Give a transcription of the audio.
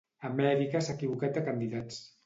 Amèrica s'ha equivocat de candidats.